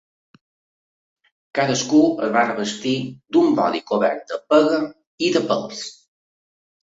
Cadascun es va revestir d'un bodi cobert de pega i de pèls.